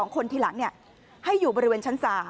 ๒คนทีหลังให้อยู่บริเวณชั้น๓